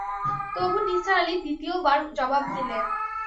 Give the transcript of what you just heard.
তবু নিসার আলি দ্বিতীয় বার জবাব দিলেন।